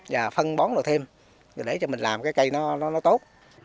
và phân bón nó thêm để cho mình làm cái cây nó tốt